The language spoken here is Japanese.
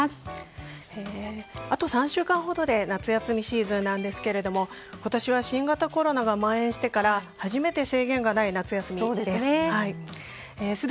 あと３週間ほどで夏休みシーズンなんですけど今年は新型コロナがまん延してから初めて制限がない夏休みです。